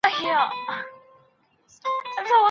تر څو به وینو وراني ویجاړي